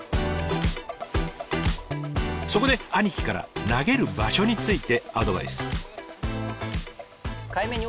そこで兄貴から投げる場所についてアドバイス。